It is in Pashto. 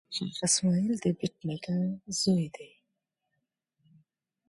شېخ اسماعیل دبېټ نیکه زوی دﺉ.